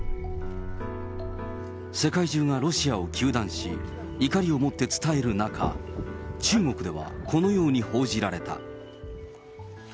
世界中がロシアを糾弾し、怒りをもって伝える中、中国ではこのように報じられた。